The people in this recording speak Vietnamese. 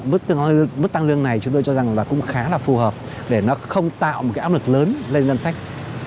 mức tăng lương này chúng tôi cho rằng là cũng khá là phù hợp để nó không tạo một cái áp lực lớn lên ngân sách